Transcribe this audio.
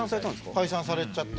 解散されちゃって。